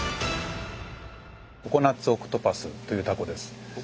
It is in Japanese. ココナッツオクトパスというタコです。